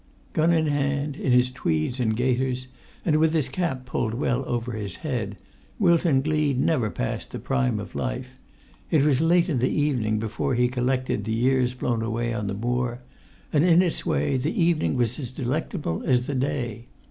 Gun in hand, in his tweeds and gaiters, and with his cap[Pg 79] pulled well over his head, Wilton Gleed never passed the prime of life; it was late in the evening before he collected the years blown away on the moor; and in its way the evening was as delectable as the day.